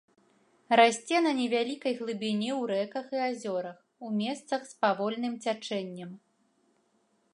Расце на невялікай глыбіні ў рэках і азёрах, у месцах з павольным цячэннем.